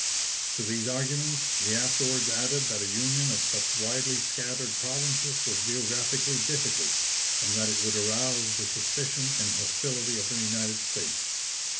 To these arguments he afterwards added that a union of such widely scattered provinces was geographically difficult, and that it would arouse the suspicion and hostility of the United States.